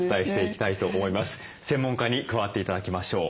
専門家に加わって頂きましょう。